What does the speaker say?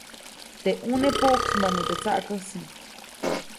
Teʼ ʼuneʼ poʼksmäʼnu teʼ tsaʼkäsi.